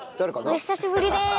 お久しぶりです。